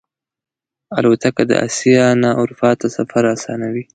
الوتکه د آسیا نه اروپا ته سفر آسانوي.